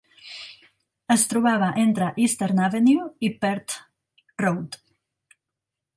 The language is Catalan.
Es trobava entre Eastern Avenue i Perth Road.